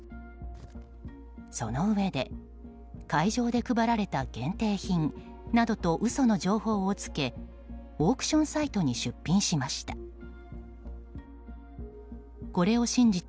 そのうえで会場で配られた限定品などと嘘の情報を付けオークションサイトに出品しました。